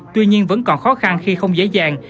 tuy nhiên vẫn còn khó khăn khi không dễ dàng